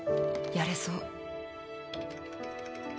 「やれそう」